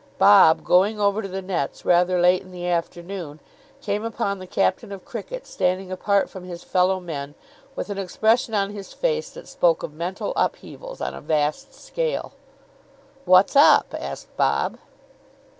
Bob, going over to the nets rather late in the afternoon, came upon the captain of cricket standing apart from his fellow men with an expression on his face that spoke of mental upheavals on a vast scale. "What's up?" asked Bob.